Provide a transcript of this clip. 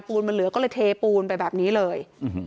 นมันเหลือก็เลยเทปูนไปแบบนี้เลย